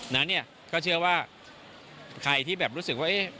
นั้นเนี่ยก็เชื่อว่าใครที่แบบรู้สึกว่าเอ๊ะ